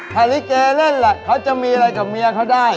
ถ้าลิเกเล่นแหละเขาจะมีอะไรกับเมียเขาได้